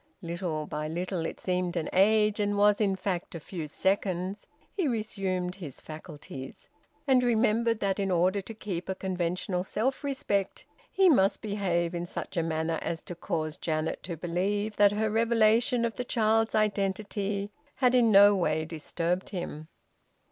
Little by little it seemed an age, and was in fact a few seconds he resumed his faculties, and remembered that in order to keep a conventional self respect he must behave in such a manner as to cause Janet to believe that her revelation of the child's identity had in no way disturbed him.